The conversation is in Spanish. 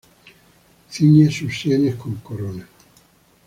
Ciñe sus sienes con corona.